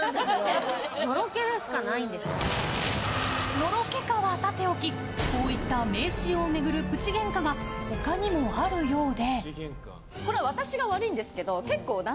ノロケかはさておきこういった迷信を巡るプチげんかが他にもあるようで。